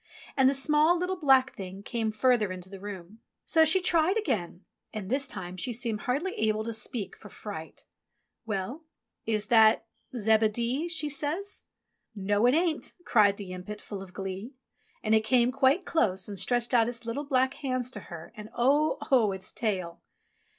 And the small, little, black Thing came further into the room. So she tried again — and this time she seemed hardly able to speak for fright. "Well — is That Zebedee .?" she says. "No, it ain't," cried the impet, full of glee. And it came quite close and stretched out its little black hands to her, and 0 oh, its tail